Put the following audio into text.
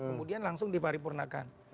kemudian langsung diparipurnakan